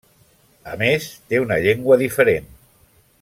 A més, té una llengua diferent.